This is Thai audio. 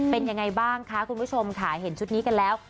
เป็นยังไงบ้างคะคุณผู้ชมค่ะเห็นชุดนี้กันแล้ว